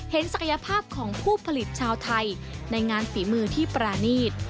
ศักยภาพของผู้ผลิตชาวไทยในงานฝีมือที่ปรานีต